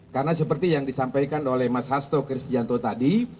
karena seperti yang disampaikan oleh mas hasto kristianto tadi